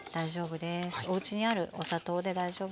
おうちにあるお砂糖で大丈夫です。